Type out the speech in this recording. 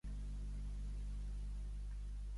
Gran part de l'estat encara es troba coberta de boscos.